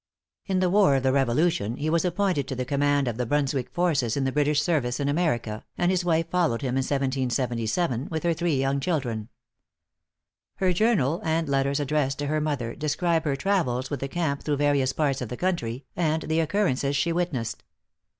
In the war of the Revolution, he was appointed to the command of the Brunswick forces in the British service in America, and his wife followed him in 1777, with her three young children. Her journal, and letters addressed to her mother, describe her travels with the camp through various parts of the country, and the occurrences she witnessed.